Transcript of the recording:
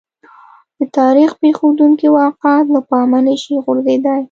د تاریخ پېښېدونکي واقعات له پامه نه شي غورځېدای.